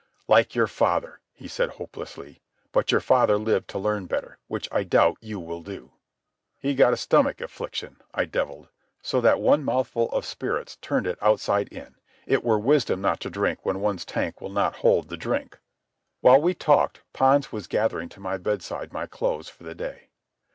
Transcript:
"Like your father," he said hopelessly. "But your father lived to learn better, which I doubt you will do." "He got a stomach affliction," I devilled, "so that one mouthful of spirits turned it outside in. It were wisdom not to drink when one's tank will not hold the drink." While we talked Pons was gathering to my bedside my clothes for the day.